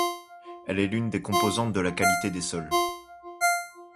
Elle est une des composantes de la qualité des sols.